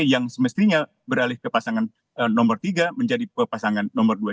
yang semestinya beralih ke pasangan nomor tiga menjadi pasangan nomor dua